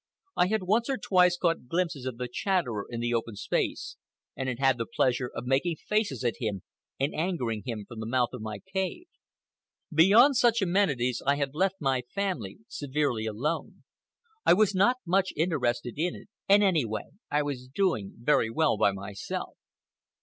I had once or twice caught glimpses of the Chatterer in the open space, and had had the pleasure of making faces at him and angering him from the mouth of my cave. Beyond such amenities I had left my family severely alone. I was not much interested in it, and anyway I was doing very well by myself.